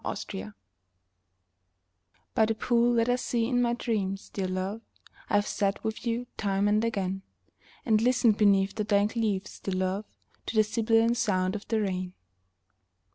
THE POOL By the pool that I see in my dreams, dear love, I have sat with you time and again; And listened beneath the dank leaves, dear love, To the sibilant sound of the rain.